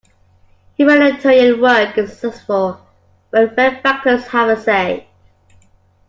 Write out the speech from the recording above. Humanitarian work is successful when benefactors have a say.